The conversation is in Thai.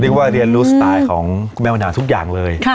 ดึงว่าเรียนรู้สไตล์ของแม่วันดาวน์ทุกอย่างเลยค่ะ